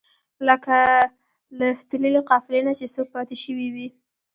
لکه له تللې قافلې نه چې څوک پاتې شوی وي.